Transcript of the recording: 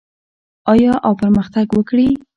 آیا او پرمختګ وکړي؟